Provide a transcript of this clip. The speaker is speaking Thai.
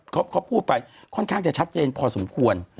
เขาพูดไปค่อนข้างจะชัดเจนพอสมควร